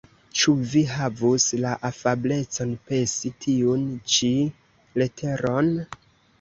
Ĉu vi havus la afablecon pesi tiun ĉi leteron?